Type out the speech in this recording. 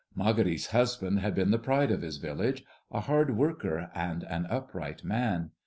Marguerite's husband had been the pride of his village, a hard worker and an upright man.